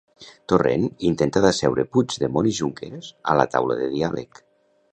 Torrent intenta d'asseure Puigdemont i Junqueras a la taula de diàleg.